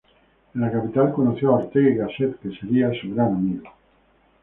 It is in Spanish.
En la capital conoció a Ortega y Gasset, que sería su gran amigo.